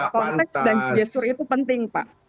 konteks dan gestur itu penting pak